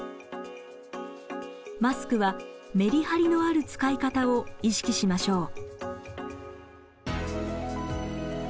マスクはメリハリのある使い方を意識しましょう。